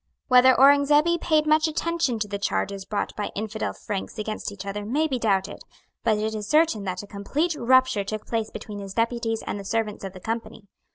Whether Aurengzebe paid much attention to the charges brought by infidel Franks against each other may be doubted. But it is certain that a complete rupture took place between his deputies and the servants of the Company.